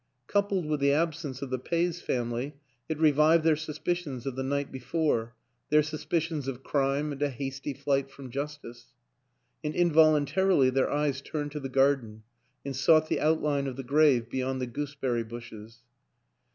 Coupled with the absence of the Peys family, it revived their suspicions of the night before, their suspicions of crime and a hasty flight from justice ... and involuntarily their eyes turned to the garden, and sought the outline of the grave be yond the gooseberry bushes.